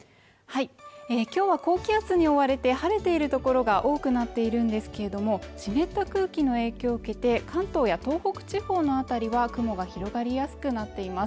今日は高気圧に覆われて、晴れているところが多くなっているんですけれども、湿った空気の影響を受けて関東や東北地方の辺りは雲が広がりやすくなっています。